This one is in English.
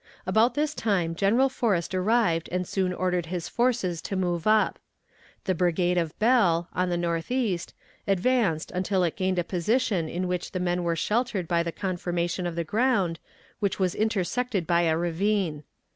About this time General Forrest arrived and soon ordered his forces to move up. The brigade of Bell, on the northeast, advanced until it gained a position in which the men were sheltered by the conformation of the ground, which was intersected by a ravine.